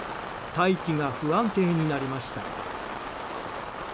大気が不安定になりました。